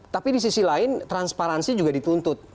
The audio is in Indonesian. tapi di sisi lain transparansi juga dituntut